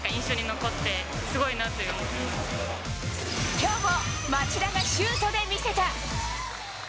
今日も町田がシュートで見せた！